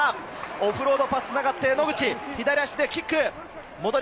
オフロードパスがつながって野口、左足でキック！